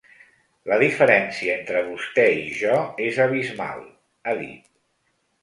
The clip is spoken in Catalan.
La diferència entre vostè i jo és abismal, ha dit.